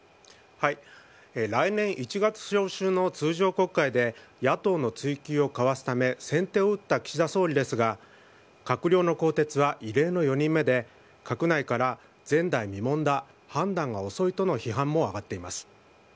来年１月召集の通常国会で、野党の追及をかわすため、先手を打った岸田総理ですが、閣僚の更迭は異例の４人目で、閣内から前代未聞だ、判断が遅いとの批判も上がっています。